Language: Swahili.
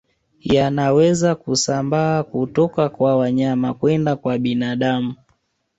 Yanaweza kusambaa kutoka kwa wanyama kwenda kwa binadamu